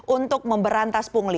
untuk memberantas pungli